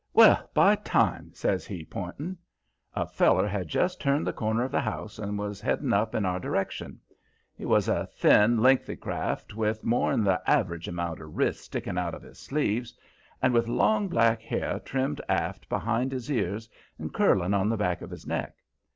"Well, by time!" says he, pointing. A feller had just turned the corner of the house and was heading up in our direction. He was a thin, lengthy craft, with more'n the average amount of wrists sticking out of his sleeves, and with long black hair trimmed aft behind his ears and curling on the back of his neck.